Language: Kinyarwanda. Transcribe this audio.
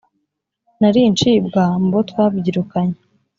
nari incibwa mu bo twabyirukanye